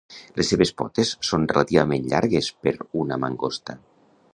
Les seves potes són relativament llargues per una mangosta.